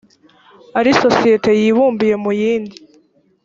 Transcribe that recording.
ari isosiyete yibumbiye mu yindi